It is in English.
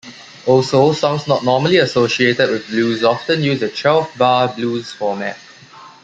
Also, songs not normally associated with blues often use a twelve-bar blues format.